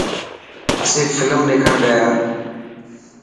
اسين فلم ڏيکڻ گيا.